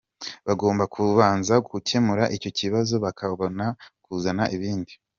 Bagomba kubanza gukemura icyo kibazo bakabona kuzana ibindi.”